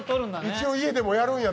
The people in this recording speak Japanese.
一応家でもやるんや。